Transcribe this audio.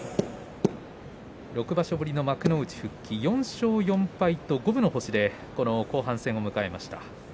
６場所ぶりの幕内復帰４勝４敗と五分の星でこの後半戦を迎えました。